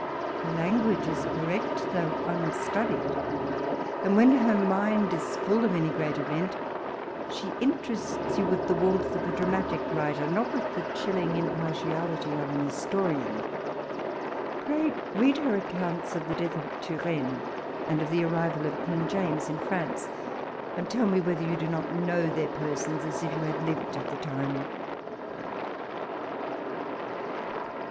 Her hincuage is correct, though iinstiKlied ; and, when her mind is full <jf any great event, she interests you with the warmth of a dramatic writer, not with the chilling im partiality of an historian. Pray read her ac counts of the death of Turenne, and of the arrival of King James in France, and tell me whether you do not know their persons as if you had lived at the time.